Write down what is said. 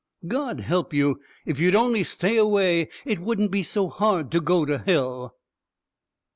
"God help you! if you'd only stay away it wouldn't be so hard to go to hell!"